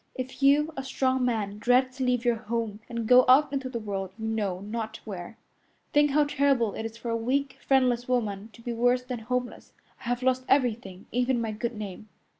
If you, a strong man, dread to leave your home and go out into the world you know not where, think how terrible it is for a weak, friendless woman to be worse than homeless. I have lost everything, even my good name."